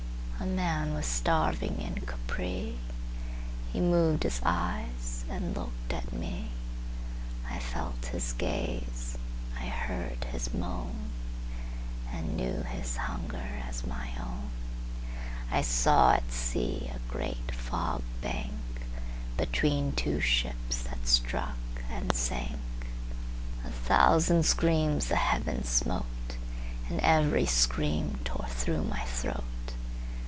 A man was starving in Capri; He moved his eyes and looked at me;I felt his gaze, I heard his moan, And knew his hunger as my own.I saw at sea a great fog bankBetween two ships that struck and sank;A thousand screams the heavens smote; And every scream tore through my throat.